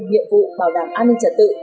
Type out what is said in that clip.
nhiệm vụ bảo đảm an ninh trật tự